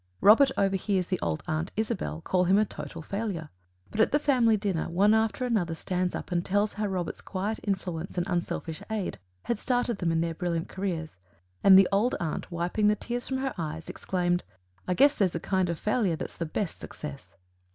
Robert overhears the old aunt, Isabel, call him a total failure, but, at the family dinner, one after another stands up and tells how Robert's quiet influence and unselfish aid had started them in their brilliant careers, and the old aunt, wiping the tears from her eyes, exclaims: "I guess there's a kind of failure that's the best success."